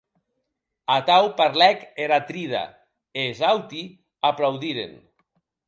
Atau parlèc er Atrida, e es auti aplaudiren.